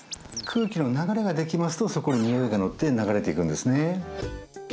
空気の流れができますとそこに、においが乗って流れていくんですね。